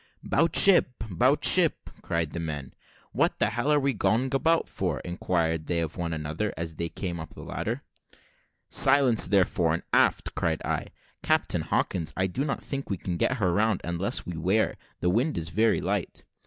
"'Bout ship 'bout ship!" cried the men. "What the hell are we going about for?" inquired they of one another, as they came up the ladder. "Silence there, fore and aft!" cried I. "Captain Hawkins, I do not think we can get her round, unless we wear the wind is very light."